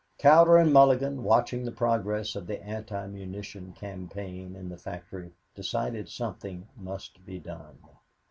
Cowder and Mulligan, watching the progress of the anti munition campaign in the factory, decided something must be done.